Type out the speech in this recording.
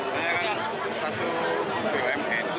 banyak kan satu bumn